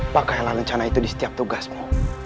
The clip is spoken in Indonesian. pakailah rencana itu di setiap tugasmu